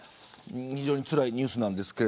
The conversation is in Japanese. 非常につらいニュースですが。